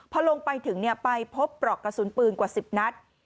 พอลงไปถึงไปพบปลอกกระสุนปืนกว่า๑๐นัด